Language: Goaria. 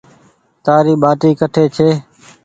تآري ٻآٽي ڪٽي ڇي۔